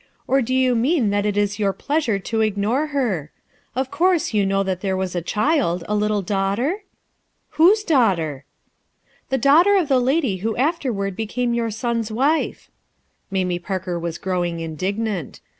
or do you mean that it is your pleasure to ignore her? Of course you know that there was a child, a little daughter?" 203 204 RUTH ERSKENE'S SON "Whose daughter?*' "The daughter of the lady who afterward became your son's wife." Mamie Parker was growing indignant.